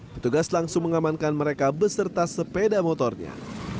petugas langsung mengamankan mereka beserta sepeda motornya